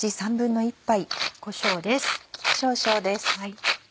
こしょうです。